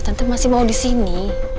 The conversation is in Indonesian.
tante masih mau disini